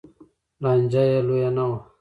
لانجه یې لویه نه وه